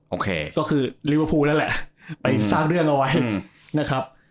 โอเคก็คือลิเวอร์พูลนั่นแหละไปสร้างเรื่องเอาไว้นะครับ